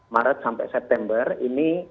maret sampai september ini